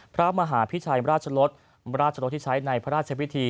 พระมหาพิชัยราชรสราชรสที่ใช้ในพระราชพิธี